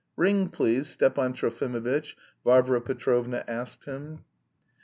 "Ring, please, Stepan Trofimovitch," Varvara Petrovna asked him.